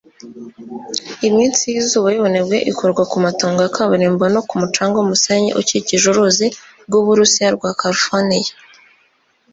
Iminsi yizuba yubunebwe ikorwa kumatongo ya kaburimbo no ku mucanga wumusenyi ukikije uruzi rwu Burusiya rwa Californiya